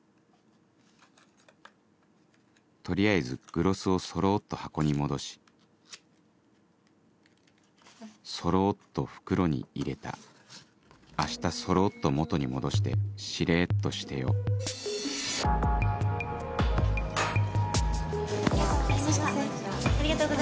取りあえずグロスをそろっと箱に戻しそろっと袋に入れた明日そろっと元に戻してしれっとしてよいらっしゃいませ。